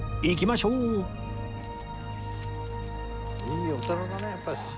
いいお寺だねやっぱり。